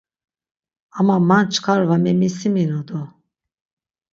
Ama man çkar va memisiminu do.